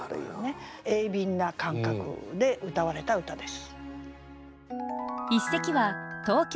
鋭敏な感覚でうたわれた歌です。